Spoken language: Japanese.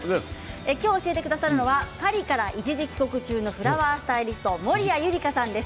今日、教えてくださるのはパリから一時帰国中のフラワースタイリスト守屋百合香さんです。